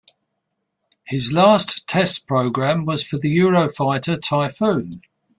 His last test program was for the Eurofighter Typhoon.